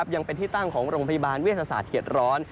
ยังเป็นที่ตั้งของโรงพยาบาลเวชศาสตร์เขียดร้อน